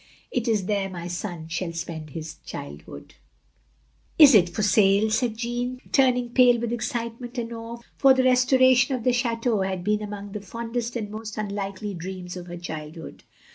"It is there my son shall spend his childhood. " "Is it for sale?" cried Jeanne, turning pale with excitement and awe, for the restoration of the chdteau had been among the fondest and most unlikely dreams of her childhood.